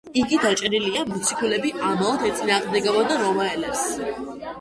იგი დაჭერილია, მოციქულები ამაოდ ეწინააღმდეგებიან რომაელებს.